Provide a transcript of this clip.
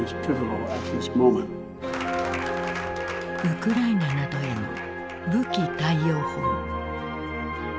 ウクライナなどへの武器貸与法。